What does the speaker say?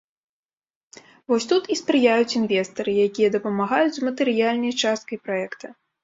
Вось тут і спрыяюць інвестары, якія дапамагаюць з матэрыяльнай частка праекта.